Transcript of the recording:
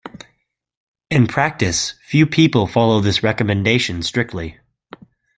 In practice, few people follow this recommendation strictly.